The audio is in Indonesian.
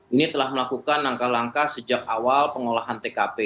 ini telah melakukan langkah langkah sejak awal pengolahan tkp